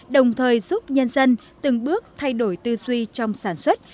đồng thời giúp nhân dân từng bước thay đổi tư duy trong sản xuất